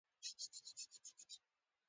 د ښار دروازې یې وتړلې.